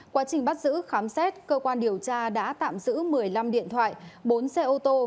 quá trình bắt giữ khám xét cơ quan điều tra đã tạm giữ một mươi năm điện thoại bốn xe ô tô